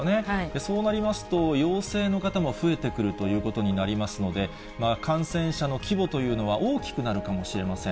そうなりますと、陽性の方も増えてくるということになりますので、感染者の規模というのは大きくなるかもしれません。